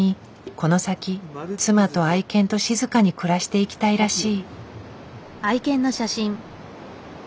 この先妻と愛犬と静かに暮らしていきたいらしい。